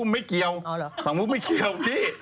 ไม่ใช่ฉลังพูดไม่เกี่ยว